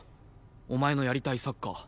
お前のやりたいサッカー。